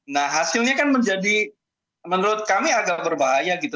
nah hasilnya kan menjadi menurut kami agak berbahaya gitu